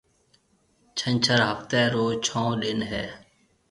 ڇنڇر هفتي رو ڇهون ڏن هيَ۔